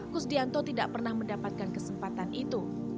kusdianto tidak pernah mendapatkan kesempatan itu